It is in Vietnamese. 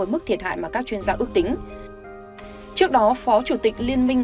mức thiệt hại mà các chuyên gia ước tính trước đó phó chủ tịch liên minh